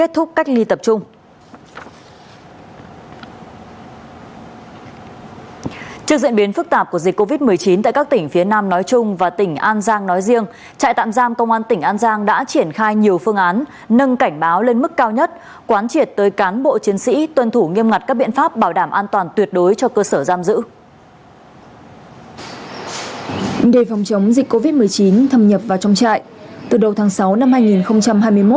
trước diễn biến phức tạp của dịch covid một mươi chín tại các tỉnh phía nam nói chung và tỉnh an giang nói riêng trại tạm giam công an tỉnh an giang đã triển khai nhiều phương án nâng cảnh báo lên mức cao nhất quán triệt tới cán bộ chiến sĩ tuân thủ nghiêm ngặt các biện pháp bảo đảm an toàn tuyệt đối cho cơ sở giam giữ